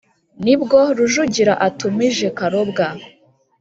ni bwo rujugira atumije karobwa